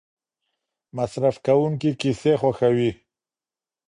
مصرف کوونکي کیسې خوښوي.